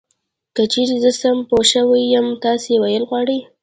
که چېرې زه سم پوه شوی یم تاسې ویل غواړی .